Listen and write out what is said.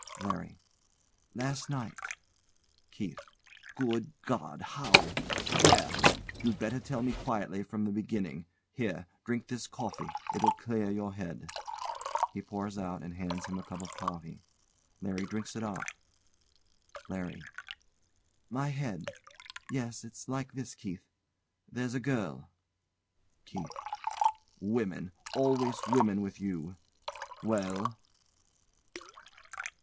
LARRY. Last night. KEITH. Good God! How? Where? You'd better tell me quietly from the beginning. Here, drink this coffee; it'll clear your head. He pours out and hands him a cup of coffee. LARRY drinks it off. LARRY. My head! Yes! It's like this, Keith there's a girl KEITH. Women! Always women, with you! Well?